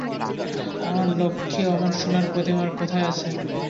অমন লক্ষ্মী অমন সােনার প্রতিমা আর কোথায় আছে!